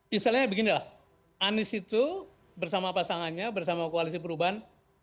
misalnya begini anis itu bersama pasangannya bersama koalisi perubahan